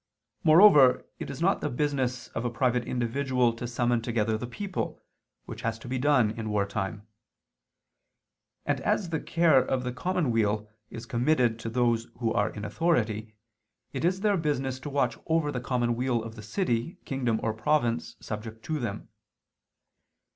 Moreover it is not the business of a private individual to summon together the people, which has to be done in wartime. And as the care of the common weal is committed to those who are in authority, it is their business to watch over the common weal of the city, kingdom or province subject to them.